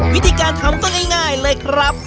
วิธีการทำก็ง่ายเลยครับ